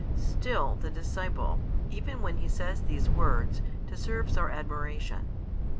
Still the disciple, even when he says these words, deserves our admiration.